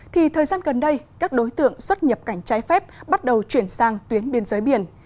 thì thời gian gần đây các đối tượng xuất nhập cảnh trái phép bắt đầu chuyển sang tuyến biên giới biển